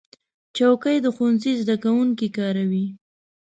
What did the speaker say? چوکۍ د ښوونځي زده کوونکي کاروي.